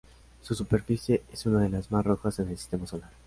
Su superficie es una de las más rojas en el sistema solar.